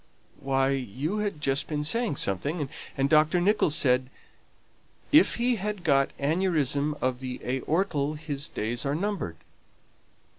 "Why, you had just been saying something, and Dr. Nicholls said, 'If he has got aneurism of the aorta his days are numbered.'"